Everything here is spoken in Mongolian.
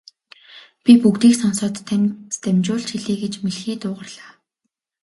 Би бүгдийг сонсоод танд дамжуулж хэлье гэж мэлхий дуугарлаа.